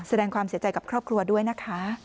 แสดงความเสียใจกับครอบครัวด้วยนะคะ